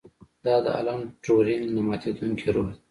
دا د الن ټورینګ نه ماتیدونکی روح و